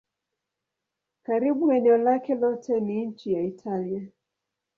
Karibu eneo lake lote ni nchi ya Italia.